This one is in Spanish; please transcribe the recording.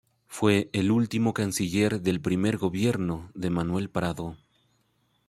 Fue el último canciller del primer gobierno de Manuel Prado.